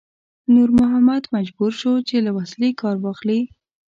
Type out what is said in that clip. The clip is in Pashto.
نور محمد مجبور شو چې له وسلې کار واخلي.